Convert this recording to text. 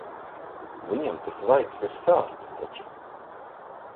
Viņam tas vaigs ir sārts taču.